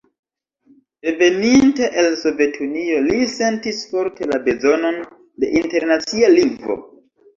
Reveninte el Sovetunio, li sentis forte la bezonon de internacia lingvo.